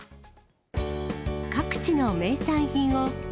各地の名産品を。